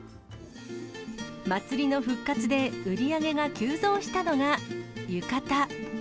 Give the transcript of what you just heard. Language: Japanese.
祭りの復活で売り上げが急増したのが浴衣。